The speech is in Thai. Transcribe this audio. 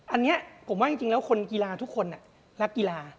อันนี้ผมว่าจริงแล้วคนกีฬาทุกคนรักกีฬา